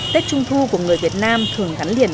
tết trung thu của người việt nam thường gắn liền